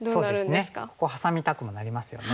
ここハサみたくもなりますよね。